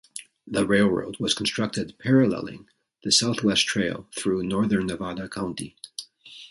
The railroad was constructed paralleling the Southwest Trail through northern Nevada County.